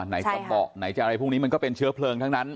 จะเบาะไหนจะอะไรพวกนี้มันก็เป็นเชื้อเพลิงทั้งนั้น